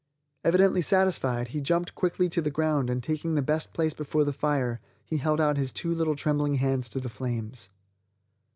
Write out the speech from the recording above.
Evidently satisfied, he jumped quickly to the ground and taking the best place before the fire he held out his two little trembling hands to the flames.